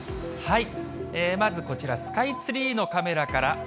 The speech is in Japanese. まずこちら、スカイツリーのカメラから。